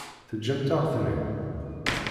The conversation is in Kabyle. Teǧǧamt-aɣ-ten-id?